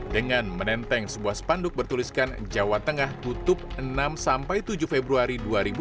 dengan menenteng sebuah spanduk bertuliskan jawa tengah tutup enam tujuh februari dua ribu dua puluh